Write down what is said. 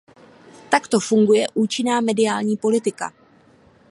Takto funguje účinná mediální politika.